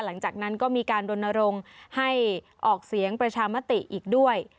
หลังจากนั้นก็มีการรณรงค์ให้ออกเสียงประชามติอีกด้วย